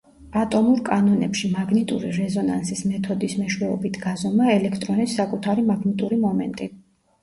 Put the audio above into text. ატომურ კანონებში მაგნიტური რეზონანსის მეთოდის მეშვეობით გაზომა ელექტრონის საკუთარი მაგნიტური მომენტი.